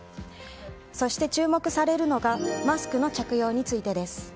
そして注目されるのがマスクの着用についてです。